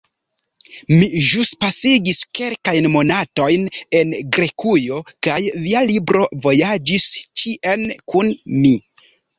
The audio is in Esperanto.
Mi ĵus pasigis kelkajn monatojn en Grekujo, kaj via libro vojaĝis ĉien kun mi.